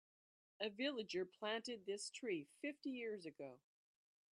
A villager planted this tree fifty years ago.